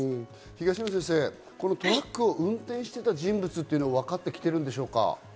東野先生、トラックを運転していた人物っていうのは分かってきているんでしょうか？